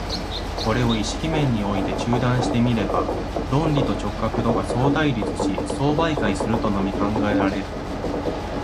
これを意識面において中断して見れば、論理と直覚とが相対立し相媒介するとのみ考えられる。